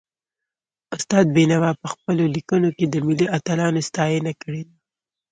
استاد بينوا په پخپلو ليکنو کي د ملي اتلانو ستاینه کړې ده.